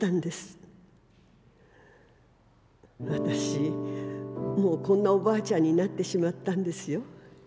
私もうこんなお婆ちゃんになってしまったんですよ。